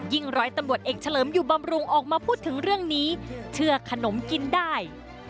ร้อยตำรวจเอกเฉลิมอยู่บำรุงออกมาพูดถึงเรื่องนี้เชื่อขนมกินได้